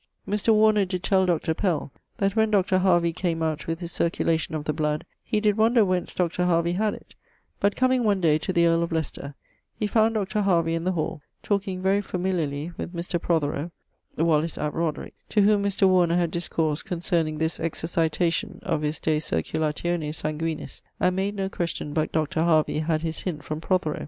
Mr. Warner did tell Dr. Pell, that when Dr. Harvey came out with his Circulation of the Blood, he did wonder whence Dr. Harvey had it: but comeing one day to the earle of Leicester, he found Dr. Harvey in the hall, talking very familiarly with Mr. Prothero (Wallicè ap Roderic), to whom Mr. Warner had discoursed concerning this exercitation of his De Circulatione Sanguinis, and made no question but Dr. Harvey had his hint from Prothero.